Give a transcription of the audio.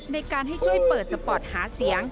ในการให้ช่วยเปิดสปอร์ตหาเสียง